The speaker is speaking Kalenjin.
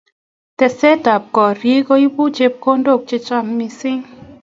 Teksetab korik koibu chepkondok chechang mising